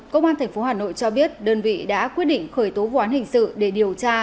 công an tp hà nội cho biết đơn vị đã quyết định khởi tố vụ án hình sự để điều tra